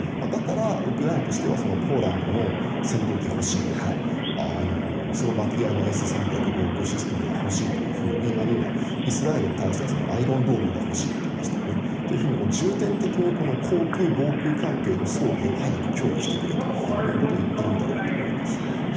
だから、ウクライナとしてはポーランドの戦闘機が欲しいとかスロバキアのＳ３００防空システムが欲しいというふうにあるいはイスラエルに対してはアイアンドームが欲しいといいましたよね。というように重点的に航空、防空関係の装備を早く供与してくれということを言ってるんだろうと思います。